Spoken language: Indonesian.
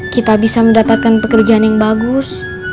kita bisa mendapatkan pekerjaan yang bagus